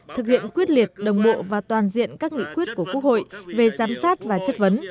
thực hiện quyết liệt đồng bộ và toàn diện các nghị quyết của quốc hội về giám sát và chất vấn